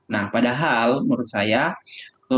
nah padahal menurut saya kelompok kelas menengah ini merupakan